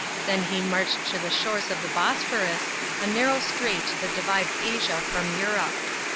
Then he marched to the shores of the Bosphorus, a narrow strait that divides Asia from Europe.